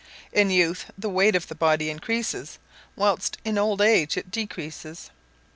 In youth the weight of the body increases, whilst in old age it decreases.